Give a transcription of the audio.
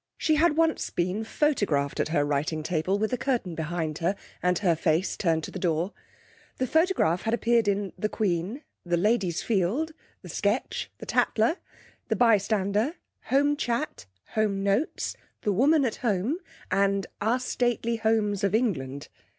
She had once been photographed at her writing table, with a curtain behind her, and her face turned to the door. The photograph had appeared in The Queen, The Ladies' Field, The Sketch, The Taller, The Bystander, Home Chat, Home Notes, The Woman at Home, and Our Stately Homes of England.